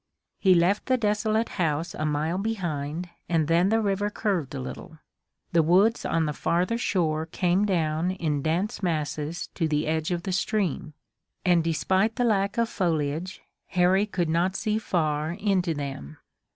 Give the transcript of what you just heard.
He left the desolate house a mile behind, and then the river curved a little. The woods on the farther shore came down in dense masses to the edge of the stream, and despite the lack of foliage Harry could not see far into them.